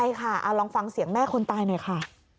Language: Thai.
ใช่ค่ะลองฟังเสียงแม่คนตายหน่อยค่ะ